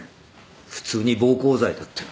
普通に暴行罪だっての。